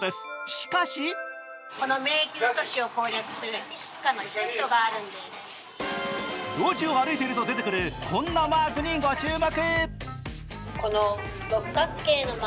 しかし路地を歩いていると出てくるこんなマークにご注目。